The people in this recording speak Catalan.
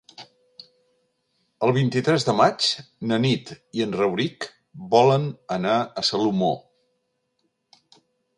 El vint-i-tres de maig na Nit i en Rauric volen anar a Salomó.